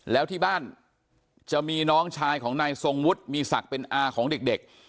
แล้วที่บ้านจะมีน้องชายของนายทรงวุฒิมีศักดิ์เป็นอาของเด็ก